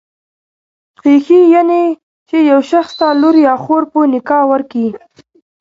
خېښي، يعنی چي يو شخص ته لور يا خور په نکاح ورکي.